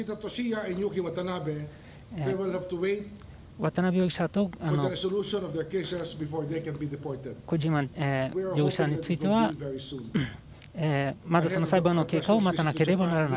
渡辺容疑者と小島容疑者についてはまだ裁判の結果を待たなければならない。